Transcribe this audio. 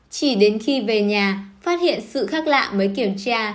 chỉ đến khi về nhà phát hiện sự khác lạ mới kiểm tra